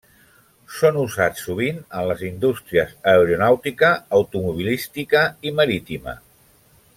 Són usats sovint en les indústries aeronàutica, automobilística i marítima.